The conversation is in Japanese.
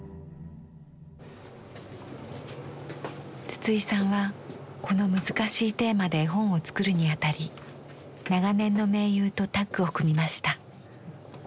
筒井さんはこの難しいテーマで絵本を作るにあたり長年の盟友とタッグを組みました。